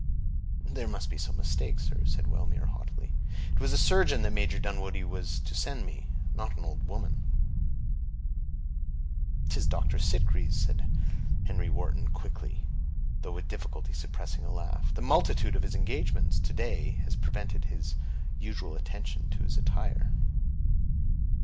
"There must be some mistake, sir," said Wellmere, haughtily. "It was a surgeon that Major Dunwoodie was to send me, and not an old woman." "'Tis Dr. Sitgreaves," said Henry Wharton, quickly, though with difficulty suppressing a laugh. "The multitude of his engagements, to day, has prevented his usual attention to his attire."